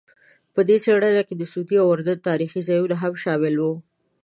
په دې څېړنه کې د سعودي او اردن تاریخي ځایونه هم شامل وو.